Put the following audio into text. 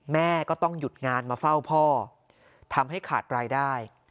แม่ก็ต้องหยุดงานมาเฝ้าพ่อทำให้ขาดรายได้